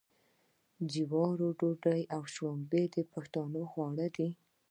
د جوارو ډوډۍ او شړومبې د پښتنو خواړه دي.